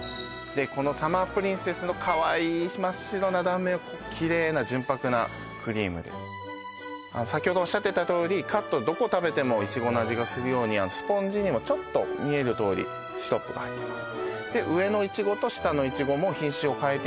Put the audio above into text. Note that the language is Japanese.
このサマープリンセスのかわいい真っ白な断面をきれいな純白なクリームで先ほどおっしゃってたとおりカットどこ食べてもいちごの味がするようにスポンジにもちょっと見えるとおりシロップが入ってます